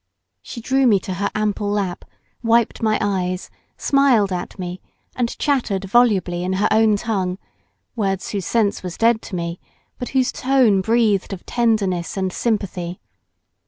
She drew me to her ample lap, wiped my eyes, smiled at me and chattered volubly in her own tongue words whose sense was dead to me, but whose tone breathed of tenderness and sympathy.